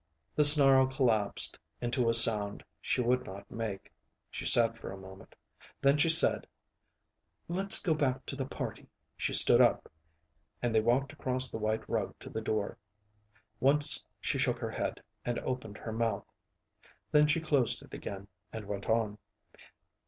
The snarl collapsed into a sound she would not make. She sat for a moment. Then she said, "Let's go back to the party." She stood up, and they walked across the white rug to the door. Once she shook her head and opened her mouth. Then she closed it again and went on.